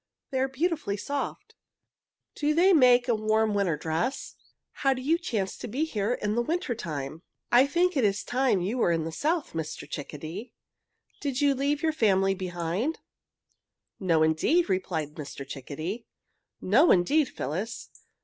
They are beautifully soft. Do they make a warm winter dress? How do you chance to be here in the winter time? "I think it is time you were in the South, Mr. Chickadee! Did your family leave you behind?" "No, indeed," replied Mr. Chickadee. "No, indeed, Phyllis!